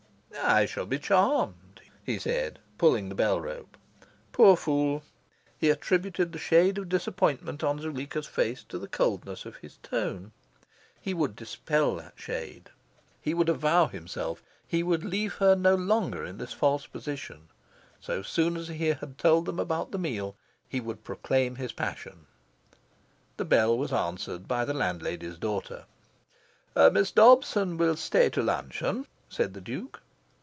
"I shall be charmed," he said, pulling the bell rope. Poor fool! he attributed the shade of disappointment on Zuleika's face to the coldness of his tone. He would dispel that shade. He would avow himself. He would leave her no longer in this false position. So soon as he had told them about the meal, he would proclaim his passion. The bell was answered by the landlady's daughter. "Miss Dobson will stay to luncheon," said the Duke.